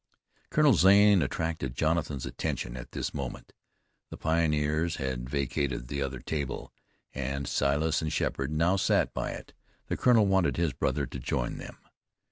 Colonel Zane attracted Jonathan's attention at this moment. The pioneers had vacated the other table, and Silas and Sheppard now sat by it. The colonel wanted his brother to join them.